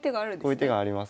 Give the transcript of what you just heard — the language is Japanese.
こういう手があります。